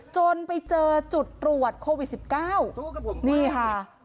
จนไปเจอจุดตรวจโควิด๑๙นี่ค่ะ